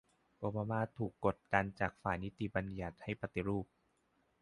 โอบามาถูกกดดันจากฝ่ายนิติบัญญัติให้ปฏิรูป